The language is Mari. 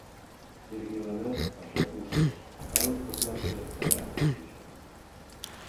Сергеланат паша ушныш, калык коклаште сайракын чучо: